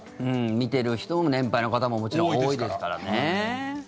見ている人も、年配の方ももちろん多いですからね。